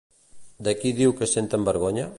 De qui diu que senten vergonya?